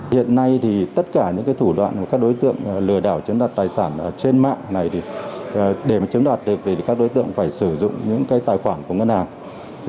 với tất cả các đối tượng lừa đảo chiếm đoạt tài sản trên mạng để chiếm đoạt được thì các đối tượng phải sử dụng những tài khoản của ngân hàng